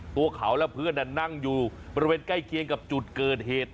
ตัวเขาและเพื่อนนั่งอยู่บริเวณใกล้เคียงกับจุดเกิดเหตุ